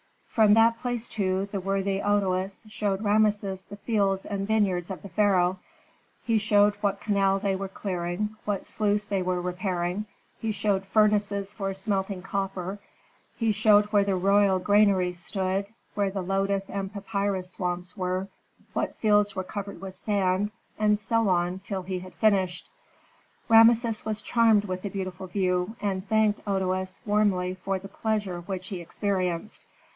From that place, too, the worthy Otoes showed Rameses the fields and vineyards of the pharaoh; he showed what canal they were clearing, what sluice they were repairing; he showed furnaces for smelting copper; he showed where the royal granaries stood, where the lotus and papyrus swamps were, what fields were covered with sand, and so on till he had finished. Rameses was charmed with the beautiful view, and thanked Otoes warmly for the pleasure which he experienced.